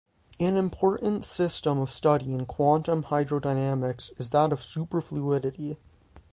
An important system of study in quantum hydrodynamics is that of superfluidity.